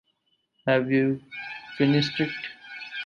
Have you finished it?